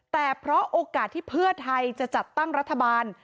แต่เพราะโอกาสที่เพื่อไทยจะจัดตั้งรัฐบาล